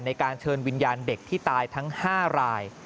ในการเชิญวิญญาณเด็กที่ตายทั้ง๕ราย